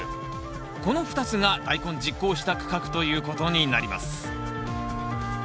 この２つが大根十耕した区画ということになります。